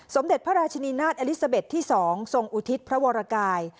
สมเด็จพระราชนีนาฏอลิซาเบ็ดที่๒ทรงอุทิศพระวรกาย